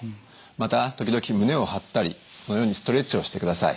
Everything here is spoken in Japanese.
また時々胸を張ったりこのようにストレッチをしてください。